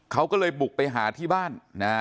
เขาก็เลยบุกไปหาที่บ้าน